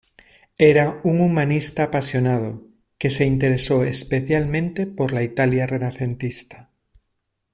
Era un humanista apasionado, que se interesó especialmente por la Italia renacentista.